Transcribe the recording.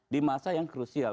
di masa yang krusial